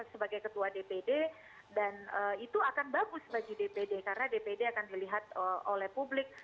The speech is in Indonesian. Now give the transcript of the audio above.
sebagai ketua dpd dan itu akan bagus bagi dpd karena dpd akan dilihat oleh publik